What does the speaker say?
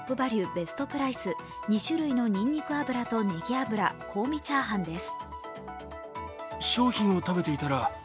ベストプライス２種類のにんにく油とねぎ油香味チャーハンです。